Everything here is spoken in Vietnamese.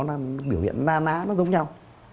nó biểu hiện na na nó giống nhau